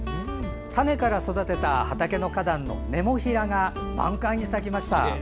種から育てた畑の花壇のネモフィラが満開に咲きました。